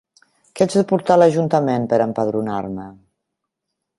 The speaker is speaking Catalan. Què haig de portar a l'Ajuntament per empadronar-me?